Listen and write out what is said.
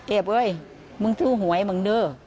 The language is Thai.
เอ๊ะเฮ้ยมึงถือหวยมึงเนอะ